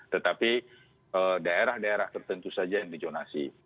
tetapi daerah daerah tertentu saja yang dijonasi